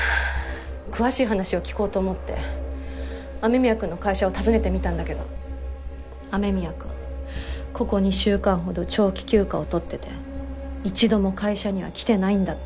詳しい話を聞こうと思って雨宮くんの会社を訪ねてみたんだけど雨宮くんここ２週間ほど長期休暇を取ってて一度も会社には来てないんだって。